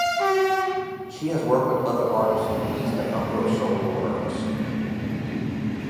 She has worked with other artists and released a number of solo works.